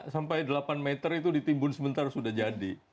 sampai delapan meter itu ditimbun sebentar sudah jadi